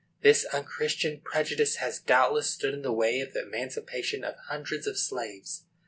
This unchristian prejudice has doubtless stood in the way of the emancipation of hundreds of slaves.